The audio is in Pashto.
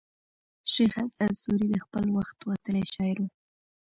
شېخ اسعد سوري د خپل وخت وتلى شاعر وو.